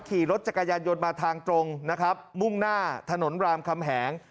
ขี่รถจักรยานยนต์มาทางตรงนะครับมุ่งหน้าถนนรามคำแหง